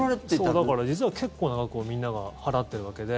そう、だから実は結構長くみんなが払ってるわけで。